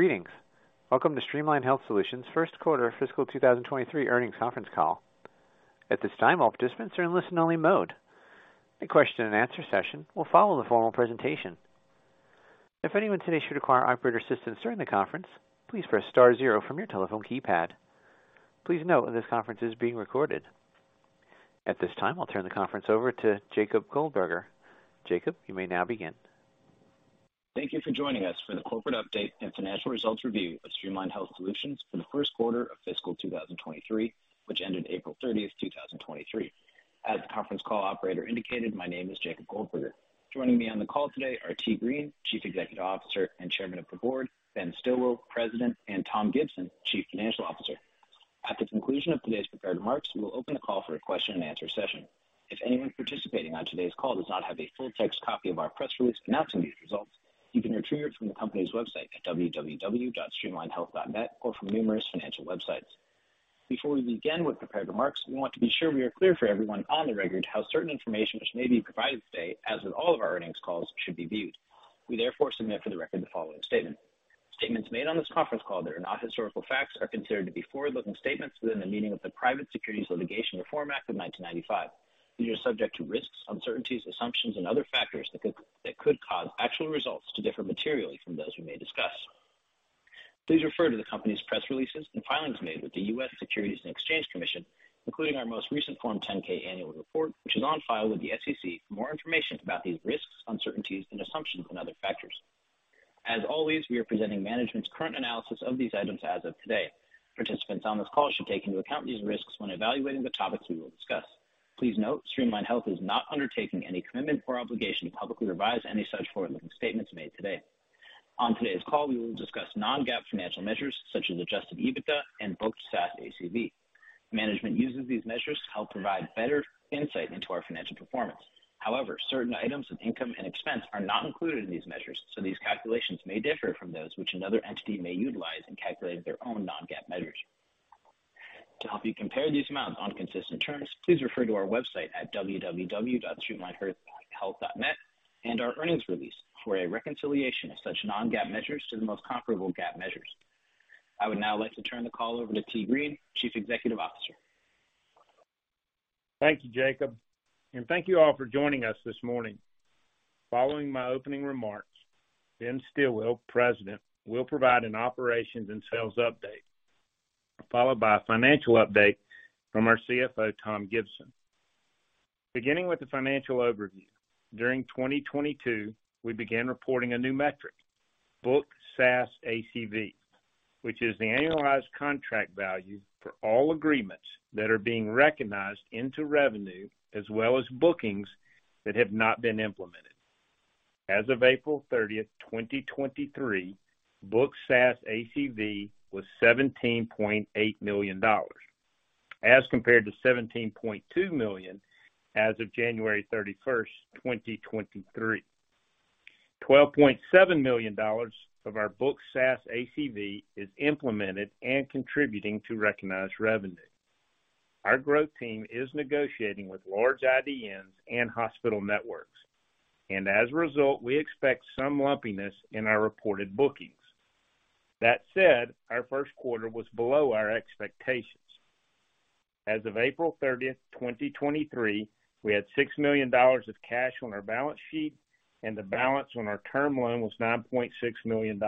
Greetings. Welcome to Streamline Health Solutions Q1 Fiscal 2023 Earnings Conference Call. At this time, all participants are in listen-only mode. A question and answer session will follow the formal presentation. If anyone today should require operator assistance during the conference, please press star zero from your telephone keypad. Please note, this conference is being recorded. At this time, I'll turn the conference over to Jacob Goldberger. Jacob, you may now begin. Thank you for joining us for the corporate update and financial results review of Streamline Health Solutions for the Q1 of fiscal 2023, which ended April 30, 2023. As the conference call operator indicated, my name is Jacob Goldberger. Joining me on the call today are T. Green, Chief Executive Officer and Chairman of the Board, Ben Stilwill, President, and Tom Gibson, Chief Financial Officer. At the conclusion of today's prepared remarks, we will open the call for a question and answer session. If anyone participating on today's call does not have a full text copy of our press release announcing these results, you can retrieve it from the company's website at www.streamlinehealth.net or from numerous financial websites. Before we begin with prepared remarks, we want to be sure we are clear for everyone on the record how certain information which may be provided today, as with all of our earnings calls, should be viewed. We therefore submit for the record the following statement: Statements made on this conference call that are not historical facts are considered to be forward-looking statements within the meaning of the Private Securities Litigation Reform Act of 1995. These are subject to risks, uncertainties, assumptions, and other factors that could cause actual results to differ materially from those we may discuss. Please refer to the company's press releases and filings made with the U.S. Securities and Exchange Commission, including our most recent Form 10-K annual report, which is on file with the SEC, for more information about these risks, uncertainties, and assumptions and other factors. As always, we are presenting management's current analysis of these items as of today. Participants on this call should take into account these risks when evaluating the topics we will discuss. Please note, Streamline Health is not undertaking any commitment or obligation to publicly revise any such forward-looking statements made today. On today's call, we will discuss non-GAAP financial measures such as Adjusted EBITDA and Booked SaaS ACV. Management uses these measures to help provide better insight into our financial performance. However, certain items of income and expense are not included in these measures, so these calculations may differ from those which another entity may utilize in calculating their own non-GAAP measures. To help you compare these amounts on consistent terms, please refer to our website at www.streamlinehealth.net and our earnings release for a reconciliation of such non-GAAP measures to the most comparable GAAP measures. I would now like to turn the call over to T. Green, Chief Executive Officer. Thank you, Jacob. Thank you all for joining us this morning. Following my opening remarks, Ben Stilwill, President, will provide an operations and sales update, followed by a financial update from our CFO, Tom Gibson Beginning with the financial overview, during 2022, we began reporting a new metric, Booked SaaS ACV, which is the annualized contract value for all agreements that are being recognized into revenue, as well as bookings that have not been implemented. As of April 30th, 2023, Booked SaaS ACV was $17.8 million, as compared to $17.2 million as of January 31st, 2023. $12.7 million of our Booked SaaS ACV is implemented and contributing to recognized revenue. Our growth team is negotiating with large IDNs and hospital networks. As a result, we expect some lumpiness in our reported bookings. That said, our Q1 was below our expectations. As of April 30, 2023, we had $6 million of cash on our balance sheet. The balance on our term loan was $9.6 million.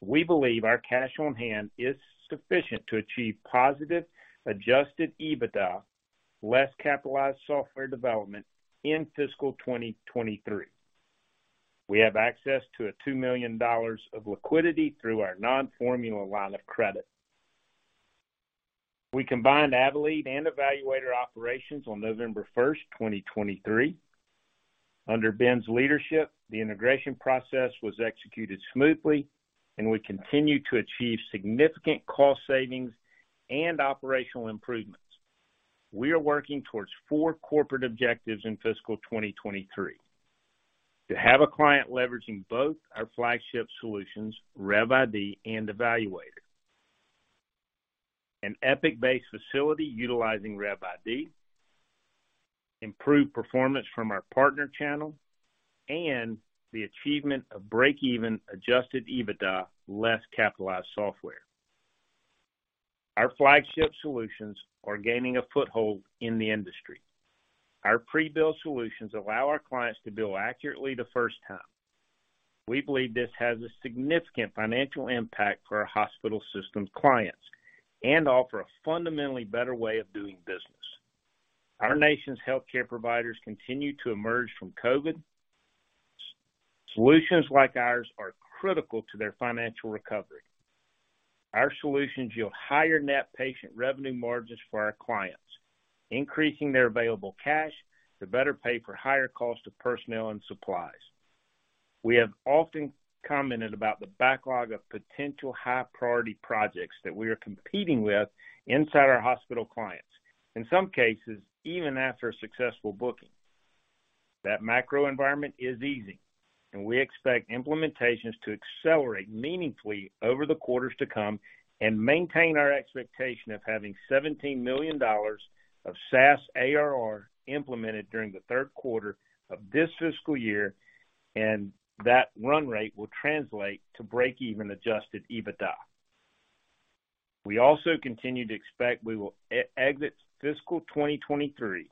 We believe our cash on hand is sufficient to achieve positive Adjusted EBITDA, less capitalized software development in fiscal 2023. We have access to a $2 million of liquidity through our non-formula line of credit. We combined Avelead and eValuator operations on November 1, 2023. Under Ben's leadership, the integration process was executed smoothly, and we continue to achieve significant cost savings and operational improvements. We are working towards four corporate objectives in fiscal 2023: to have a client leveraging both our flagship solutions, RevID and eValuator, an Epic-based facility utilizing RevID, improved performance from our partner channel, and the achievement of break-even Adjusted EBITDA, less capitalized software. Our flagship solutions are gaining a foothold in the industry. Our pre-built solutions allow our clients to bill accurately the first time. We believe this has a significant financial impact for our hospital system clients and offer a fundamentally better way of doing business. Our nation's healthcare providers continue to emerge from COVID. Solutions like ours are critical to their financial recovery. Our solutions yield higher net patient revenue margins for our clients, increasing their available cash to better pay for higher costs of personnel and supplies. We have often commented about the backlog of potential high priority projects that we are competing with inside our hospital clients, in some cases, even after a successful booking. That macro environment is easing, and we expect implementations to accelerate meaningfully over the quarters to come and maintain our expectation of having $17 million of SaaS ARR implemented during the Q3 of this fiscal year, and that run rate will translate to break-even Adjusted EBITDA... We also continue to expect we will exit fiscal 2023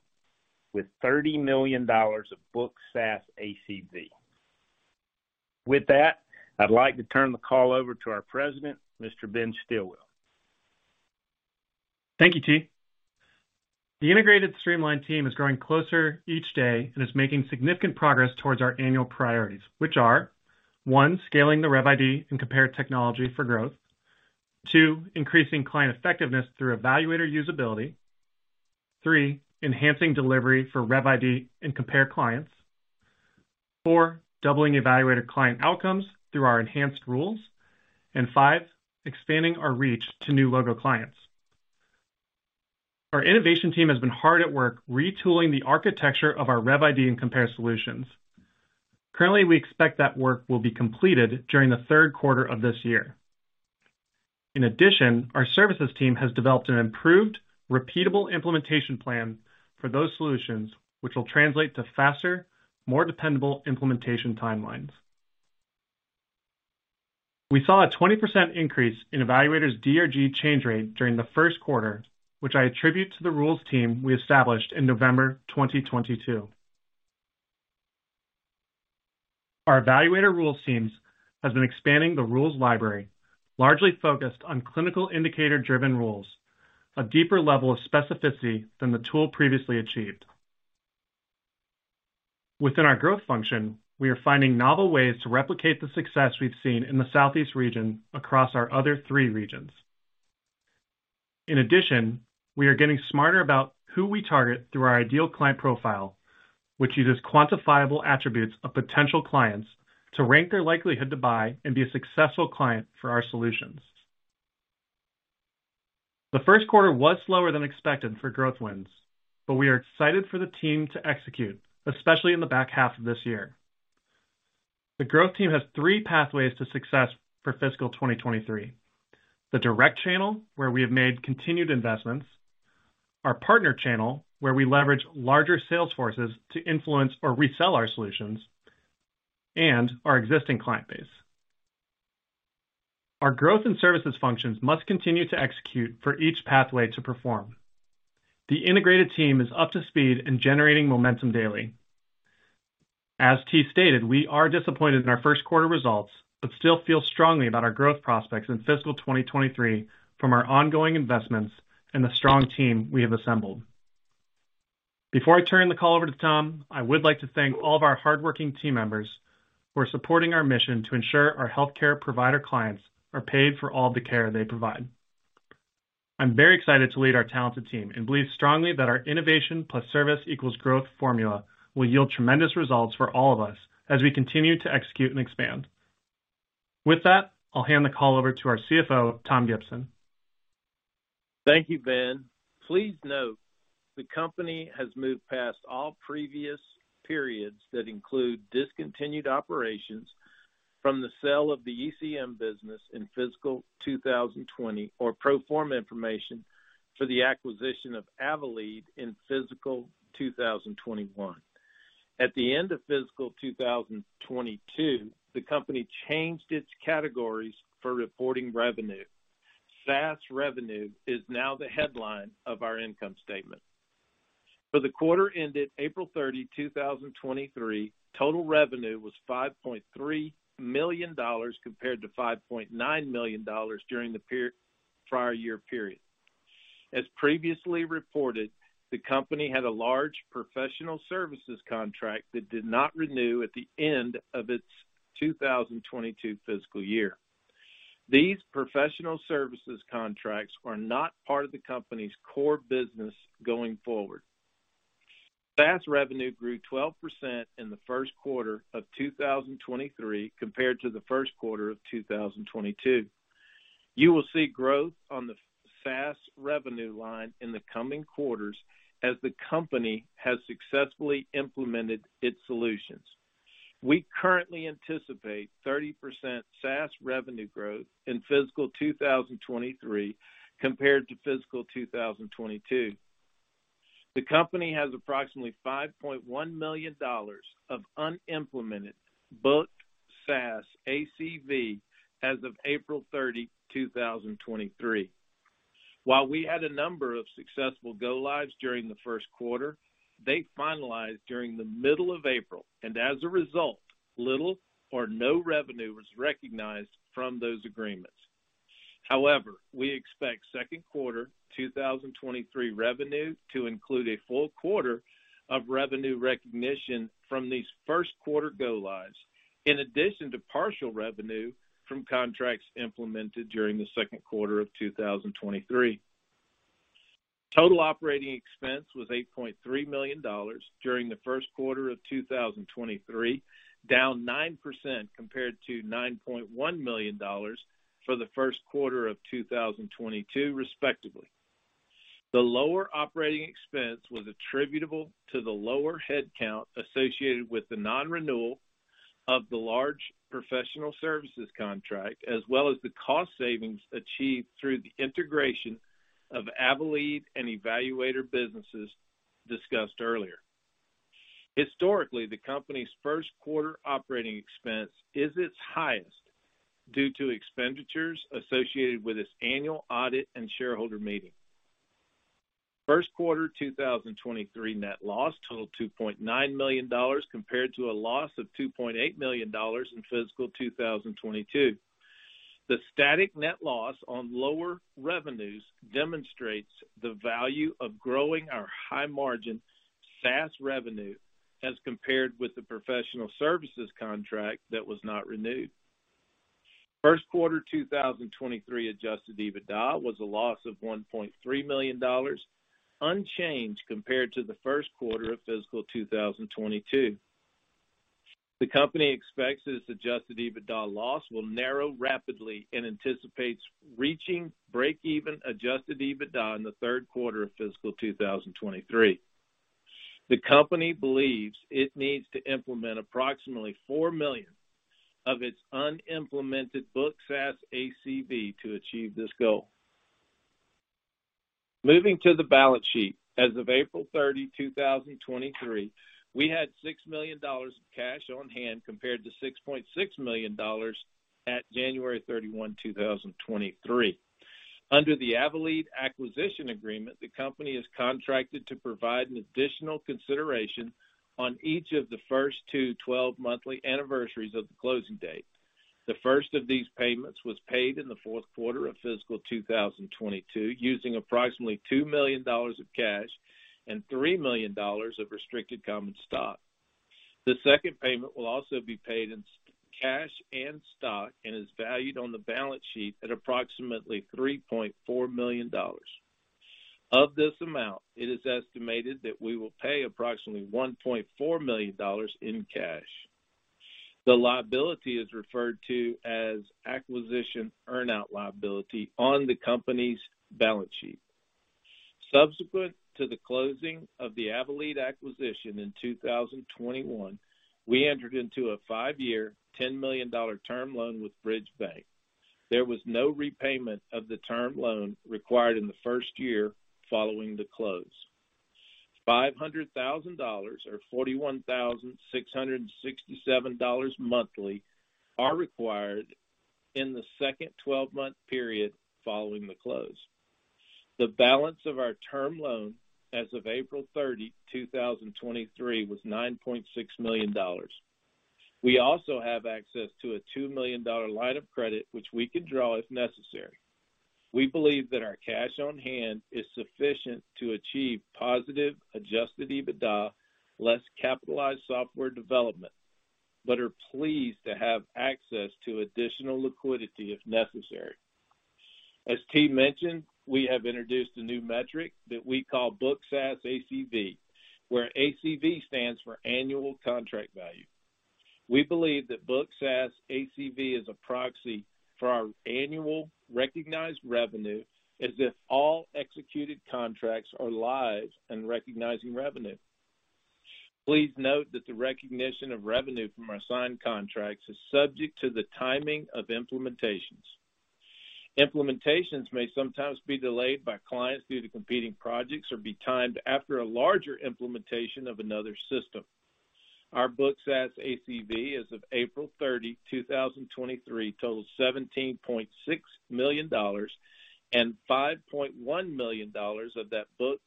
with $30 million of booked SaaS ACV. With that, I'd like to turn the call over to our president, Mr. Ben Stilwill. Thank you, T. The integrated Streamline Health team is growing closer each day and is making significant progress towards our annual priorities, which are, one, scaling the RevID and Compare technology for growth. Two, increasing client effectiveness through eValuator usability. Three, enhancing delivery for RevID and Compare clients. Four, doubling eValuator client outcomes through our enhanced rules. Five, expanding our reach to new logo clients. Our innovation team has been hard at work retooling the architecture of our RevID and Compare solutions. Currently, we expect that work will be completed during the Q3 of this year. In addition, our services team has developed an improved, repeatable implementation plan for those solutions, which will translate to faster, more dependable implementation timelines. We saw a 20% increase in eValuator's DRG change rate during the Q1, which I attribute to the rules team we established in November 2022. Our eValuator rules teams has been expanding the rules library, largely focused on clinical indicator-driven rules, a deeper level of specificity than the tool previously achieved. Within our growth function, we are finding novel ways to replicate the success we've seen in the Southeast region across our other three regions. We are getting smarter about who we target through our ideal client profile, which uses quantifiable attributes of potential clients to rank their likelihood to buy and be a successful client for our solutions. The Q1 was slower than expected for growth wins, but we are excited for the team to execute, especially in the back half of this year. The growth team has three pathways to success for fiscal 2023: the direct channel, where we have made continued investments, our partner channel, where we leverage larger sales forces to influence or resell our solutions, and our existing client base. Our growth and services functions must continue to execute for each pathway to perform. The integrated team is up to speed and generating momentum daily. As T stated, we are disappointed in our Q1 results, but still feel strongly about our growth prospects in fiscal 2023 from our ongoing investments and the strong team we have assembled. Before I turn the call over to Tom, I would like to thank all of our hardworking team members who are supporting our mission to ensure our healthcare provider clients are paid for all the care they provide. I'm very excited to lead our talented team and believe strongly that our innovation plus service equals growth formula will yield tremendous results for all of us as we continue to execute and expand. With that, I'll hand the call over to our CFO, Bryant Reeves. Thank you, Ben. Please note, the company has moved past all previous periods that include discontinued operations from the sale of the ECM business in fiscal 2020, or pro forma information for the acquisition of Avelead in fiscal 2021. At the end of fiscal 2022, the company changed its categories for reporting revenue. SaaS revenue is now the headline of our income statement. For the quarter ended April 30, 2023, total revenue was $5.3 million, compared to $5.9 million during the prior year period. As previously reported, the company had a large professional services contract that did not renew at the end of its 2022 fiscal year. These professional services contracts are not part of the company's core business going forward. SaaS revenue grew 12% in the Q1 of 2023 compared to the Q1 of 2022. You will see growth on the SaaS revenue line in the coming quarters as the company has successfully implemented its solutions. We currently anticipate 30% SaaS revenue growth in fiscal 2023 compared to fiscal 2022. The company has approximately $5.1 million of unimplemented Booked SaaS ACV as of April 30, 2023. While we had a number of successful go-lives during the Q1, they finalized during the middle of April, as a result, little or no revenue was recognized from those agreements. We expect Q2 2023 revenue to include a full quarter of revenue recognition from these Q1 go-lives, in addition to partial revenue from contracts implemented during the Q2 of 2023. Total operating expense was $8.3 million during the Q1 of 2023, down 9% compared to $9.1 million for the Q1 of 2022, respectively. The lower operating expense was attributable to the lower headcount associated with the non-renewal of the large professional services contract, as well as the cost savings achieved through the integration of Avelead and eValuator businesses discussed earlier. Historically, the company's Q1 operating expense is its highest, due to expenditures associated with its annual audit and shareholder meeting. Q1 2023 net loss totaled $2.9 million, compared to a loss of $2.8 million in fiscal 2022. The static net loss on lower revenues demonstrates the value of growing our high-margin SaaS revenue as compared with the professional services contract that was not renewed. Q1 2023 Adjusted EBITDA was a loss of $1.3 million, unchanged compared to the Q1 of fiscal 2022. The company expects its Adjusted EBITDA loss will narrow rapidly and anticipates reaching break-even Adjusted EBITDA in the Q3 of fiscal 2023. The company believes it needs to implement approximately $4 million of its unimplemented Booked SaaS ACV to achieve this goal. Moving to the balance sheet. As of April 30, 2023, we had $6 million of cash on hand, compared to $6.6 million at January 31, 2023. Under the Avelead acquisition agreement, the company is contracted to provide an additional consideration on each of the first two 12-monthly anniversaries of the closing date. The first of these payments was paid in the Q4 of fiscal 2022, using approximately $2 million of cash and $3 million of restricted common stock. The second payment will also be paid in cash and stock, and is valued on the balance sheet at approximately $3.4 million. Of this amount, it is estimated that we will pay approximately $1.4 million in cash. The liability is referred to as acquisition earn-out liability on the company's balance sheet. Subsequent to the closing of the Avelead acquisition in 2021, we entered into a five-year, $10 million term loan with Bridge Bank. There was no repayment of the term loan required in the first year following the close. $500,000, or $41,667 monthly, are required in the second 12-month period following the close. The balance of our term loan as of April 30, 2023, was $9.6 million. We also have access to a $2 million line of credit, which we can draw if necessary. We believe that our cash on hand is sufficient to achieve positive Adjusted EBITDA, less capitalized software development, but are pleased to have access to additional liquidity if necessary. As T mentioned, we have introduced a new metric that we call Booked SaaS ACV, where ACV stands for annual contract value. We believe that Booked SaaS ACV is a proxy for our annual recognized revenue, as if all executed contracts are live and recognizing revenue. Please note that the recognition of revenue from our signed contracts is subject to the timing of implementations. Implementations may sometimes be delayed by clients due to competing projects or be timed after a larger implementation of another system. Our Booked SaaS ACV, as of April 30, 2023, totaled $17.6 million, and $5.1 million of that Booked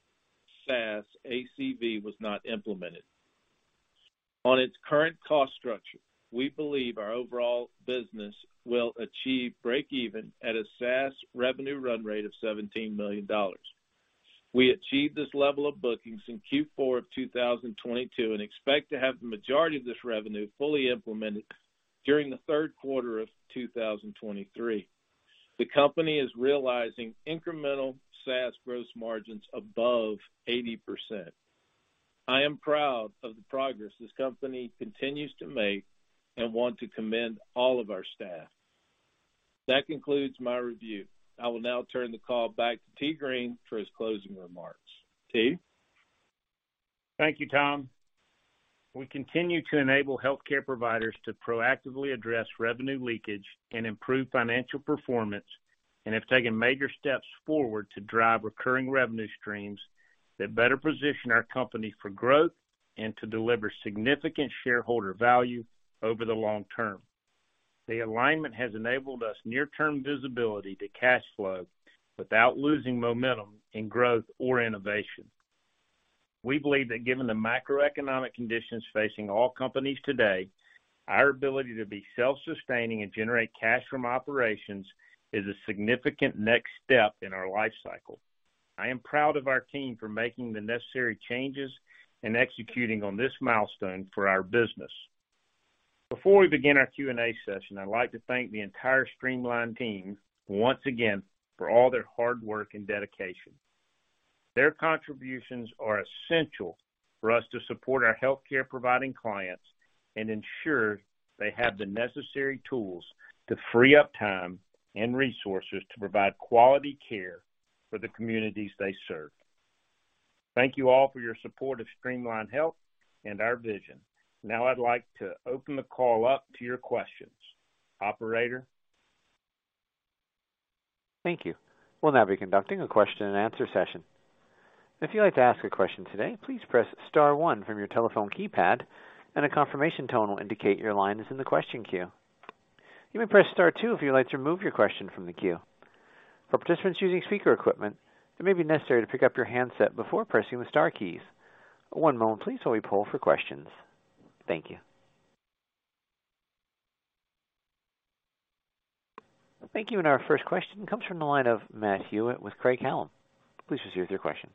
SaaS ACV was not implemented. On its current cost structure, we believe our overall business will achieve break even at a SaaS revenue run rate of $17 million. We achieved this level of bookings in Q4 of 2022, and expect to have the majority of this revenue fully implemented during the Q3 of 2023. The company is realizing incremental SaaS gross margins above 80%. I am proud of the progress this company continues to make, and want to commend all of our staff. That concludes my review. I will now turn the call back to T. Green for his closing remarks. T? Thank you, Tom. We continue to enable healthcare providers to proactively address revenue leakage and improve financial performance, and have taken major steps forward to drive recurring revenue streams that better position our company for growth and to deliver significant shareholder value over the long term. The alignment has enabled us near-term visibility to cash flow without losing momentum in growth or innovation. We believe that given the macroeconomic conditions facing all companies today, our ability to be self-sustaining and generate cash from operations is a significant next step in our life cycle. I am proud of our team for making the necessary changes and executing on this milestone for our business. Before we begin our Q&A session, I'd like to thank the entire Streamline team once again for all their hard work and dedication. Their contributions are essential for us to support our healthcare-providing clients and ensure they have the necessary tools to free up time and resources to provide quality care for the communities they serve. Thank you all for your support of Streamline Health and our vision. I'd like to open the call up to your questions. Operator? Thank you. We'll now be conducting a question-and-answer session. If you'd like to ask a question today, please press star one from your telephone keypad, and a confirmation tone will indicate your line is in the question queue. You may press star two if you'd like to remove your question from the queue. For participants using speaker equipment, it may be necessary to pick up your handset before pressing the star keys. One moment please, while we poll for questions. Thank you. Thank you. Our first question comes from the line of Matthew Hewitt with Craig-Hallum. Please proceed with your questions.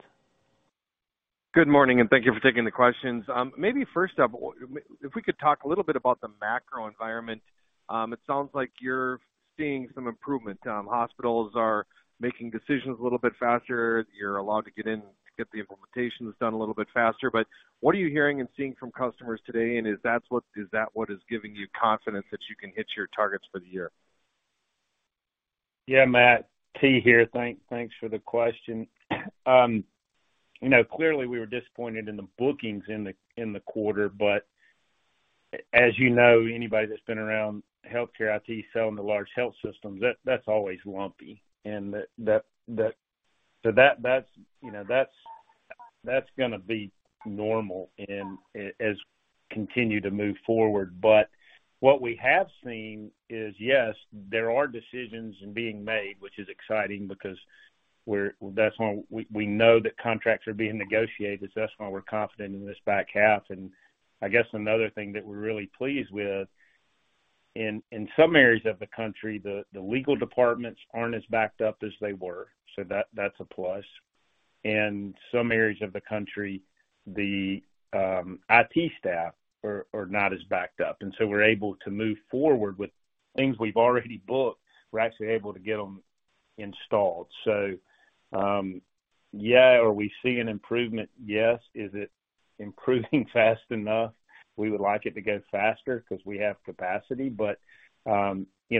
Good morning. Thank you for taking the questions. Maybe first up, if we could talk a little bit about the macro environment. It sounds like you're seeing some improvement. Hospitals are making decisions a little bit faster. You're allowed to get in to get the implementations done a little bit faster. What are you hearing and seeing from customers today, and is that what is giving you confidence that you can hit your targets for the year? Yeah, Matt, T. here. Thanks for the question. you know, clearly, we were disappointed in the bookings in the, in the quarter, but as you know, anybody that's been around healthcare IT, selling to large health systems, that's always lumpy. That's gonna be normal in, as continue to move forward. What we have seen is, yes, there are decisions being made, which is exciting because we're that's why we know that contracts are being negotiated, so that's why we're confident in this back half. I guess another thing that we're really pleased with, in some areas of the country, the legal departments aren't as backed up as they were, so that's a plus. Some areas of the country, the IT staff are not as backed up, and so we're able to move forward with things we've already booked, we're actually able to get them installed. Yeah. Are we seeing an improvement? Yes. Is it improving fast enough? We would like it to go faster because we have capacity, you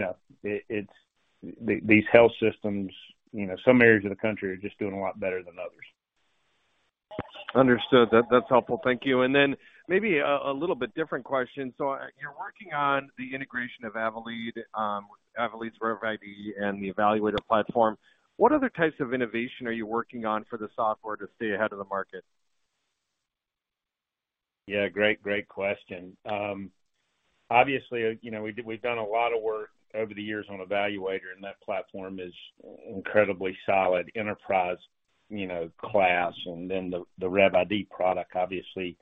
know, These health systems, you know, some areas of the country are just doing a lot better than others. Understood. That's helpful. Thank you. Then maybe a little bit different question. You're working on the integration of Avelead's RevID and the eValuator platform. What other types of innovation are you working on for the software to stay ahead of the market? Yeah, great question. Obviously, you know, we've done a lot of work over the years on eValuator, and that platform is incredibly solid enterprise, you know, class, and then the RevID product, obviously,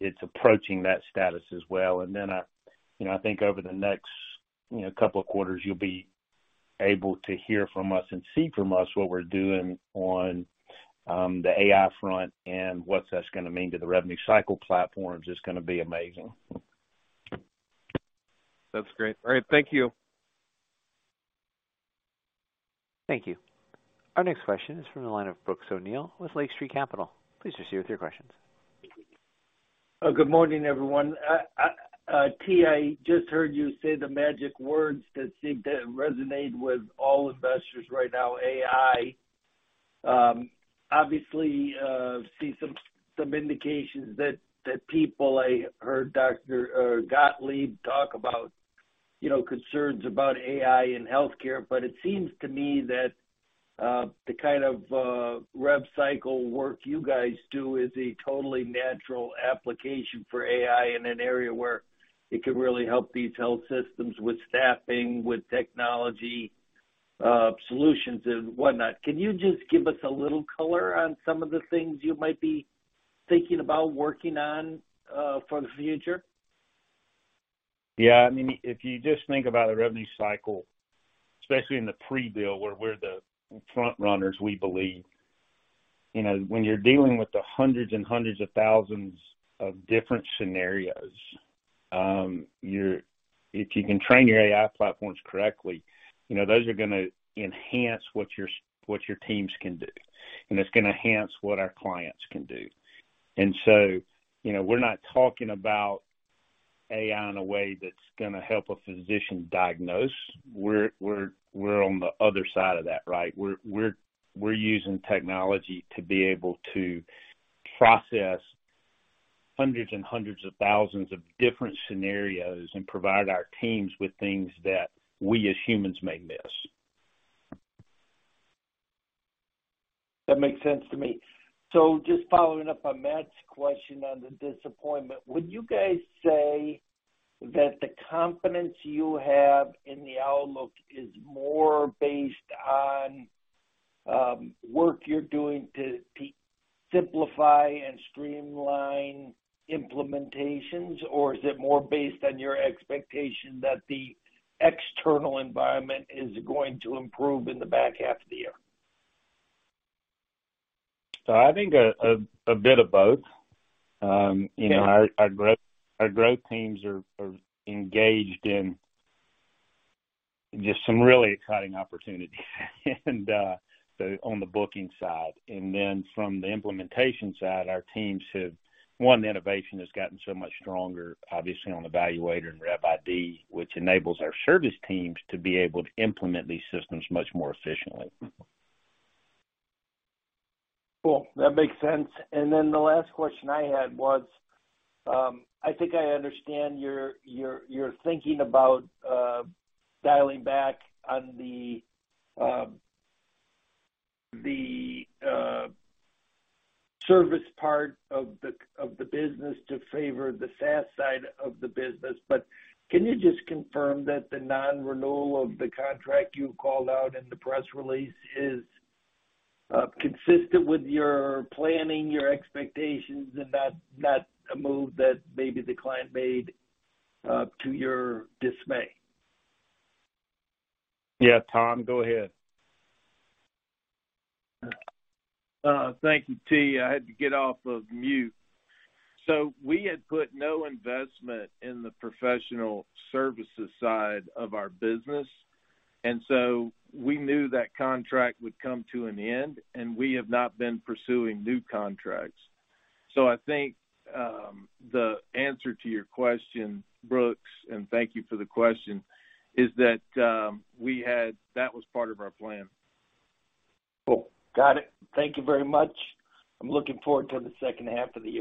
it's approaching that status as well. You know, I think over the next, you know, couple of quarters, you'll be able to hear from us and see from us what we're doing on the AI front and what that's gonna mean to the revenue cycle platforms. It's gonna be amazing. That's great. All right, thank you. Thank you. Our next question is from the line of Brooks O'Neill with Lake Street Capital. Please proceed with your questions. Good morning, everyone. T., I just heard you say the magic words that seem to resonate with all investors right now, AI. Obviously, see some indications that people I heard Dr. Gottlieb talk about, you know, concerns about AI in healthcare, but it seems to me that the kind of rev cycle work you guys do is a totally natural application for AI in an area where it could really help these health systems with staffing, with technology, solutions and whatnot. Can you just give us a little color on some of the things you might be thinking about working on for the future? Yeah, I mean, if you just think about a revenue cycle, especially in the pre-bill, where we're the front runners, we believe. You know, when you're dealing with the hundreds and hundreds of thousands of different scenarios, if you can train your AI platforms correctly, you know, those are gonna enhance what your teams can do, and it's gonna enhance what our clients can do. So, you know, we're not talking about AI in a way that's gonna help a physician diagnose. We're on the other side of that, right? We're using technology to be able to process hundreds and hundreds of thousands of different scenarios and provide our teams with things that we, as humans, may miss. That makes sense to me. Just following up on Matt's question on the disappointment, would you guys say that the confidence you have in the outlook is more based on work you're doing to simplify and streamline implementations, or is it more based on your expectation that the external environment is going to improve in the back half of the year? I think a bit of both. You know, our growth teams are engaged in just some really exciting opportunities, and so on the booking side, and then from the implementation side, our teams have. Innovation has gotten so much stronger, obviously on eValuator and RevID, which enables our service teams to be able to implement these systems much more efficiently. Cool, that makes sense. The last question I had was, I think I understand you're thinking about dialing back on the service part of the business to favor the SaaS side of the business. Can you just confirm that the non-renewal of the contract you called out in the press release is consistent with your planning, your expectations, and not a move that maybe the client made to your dismay? Yeah. Tom, go ahead. Thank you, T. I had to get off of mute. We had put no investment in the professional services side of our business, and so we knew that contract would come to an end, and we have not been pursuing new contracts. I think, the answer to your question, Brooks, and thank you for the question, is that was part of our plan. Cool. Got it. Thank you very much. I'm looking forward to the H2 of the year.